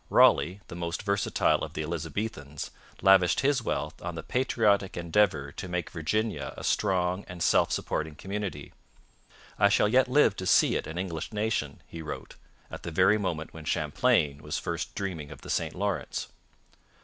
Raleigh, the most versatile of the Elizabethans, lavished his wealth on the patriotic endeavour to make Virginia a strong and self supporting community. 'I shall yet live to see it an English nation,' he wrote at the very moment when Champlain was first dreaming of the St Lawrence.